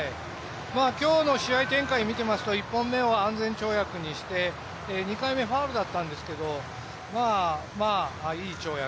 今日の試合展開を見ていますと１本目を安全跳躍にして２回目、ファウルだったんですけどまあまあいい跳躍。